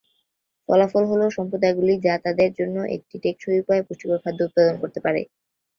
ফলাফল হ'ল সম্প্রদায়গুলি যা তাদের জন্য একটি টেকসই উপায়ে পুষ্টিকর খাদ্য উৎপাদন করতে পারে।